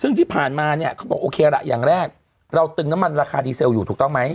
ซึ่งที่ผ่านมาเนี่ยเขาบอกโอเคล่ะอย่างแรกเราตึงน้ำมันราคาดีเซลอยู่ถูกต้องไหม